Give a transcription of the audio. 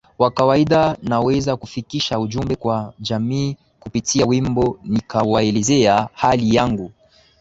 wa kawaida naweza kufikisha ujumbe kwa jamii kupitia wimbo nikawaelezea hali yangu